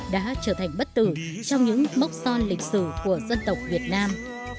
đã trở thành bất tử trong những mốc son lịch sử của dân tộc việt nam